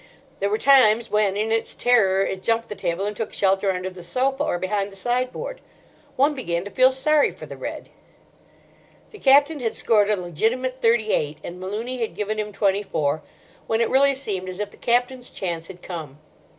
There were times when in its terror it jumped the table and took shelter under the sofa or behind the sideboard. One began to feel sorry for the red. The Captain had scored a legitimate thirty eight, and Malooney had given him twenty four, when it really seemed as if the Captain's chance had come.